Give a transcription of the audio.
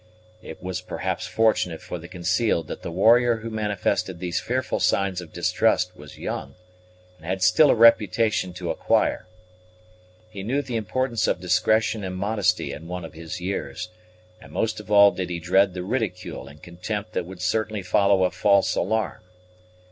It was perhaps fortunate for the concealed that the warrior who manifested these fearful signs of distrust was young, and had still a reputation to acquire. He knew the importance of discretion and modesty in one of his years, and most of all did he dread the ridicule and contempt that would certainly follow a false alarm.